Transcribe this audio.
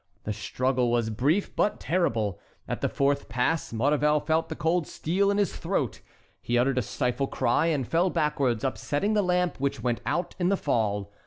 The struggle was brief but terrible. At the fourth pass Maurevel felt the cold steel in his throat. He uttered a stifled cry and fell backwards, upsetting the lamp, which went out in the fall.